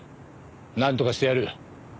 なんとかしてやる。